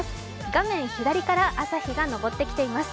画面左から朝日が昇ってきています。